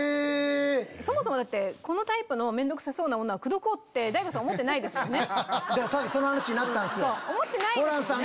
そもそもこのタイプの面倒くさそうな女口説こうって大悟さん思ってないですもんね？